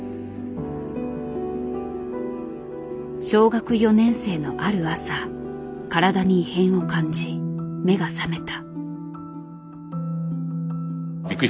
小学４年生のある朝体に異変を感じ目が覚めた。